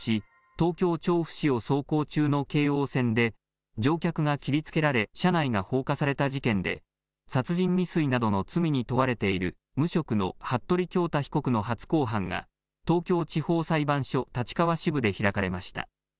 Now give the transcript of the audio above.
東京調布市を走行中の京王線で乗客が切りつけられ車内が放火された事件で殺人未遂などの罪に問われている無職の服部恭太被告の初公判が東京地方裁判所立川支部で開かれました。